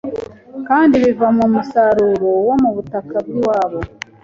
kandi biva mu musaruro wo mu butaka bw’iwabo.